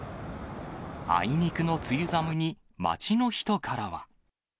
あいにくの梅雨寒に、街の人からは。